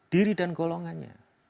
diri dan golongannya